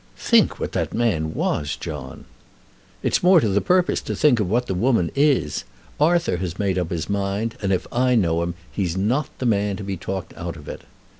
"Think what the man was, John!" "It's more to the purpose to think what the woman is. Arthur has made up his mind, and, if I know him, he's not the man to be talked out of it."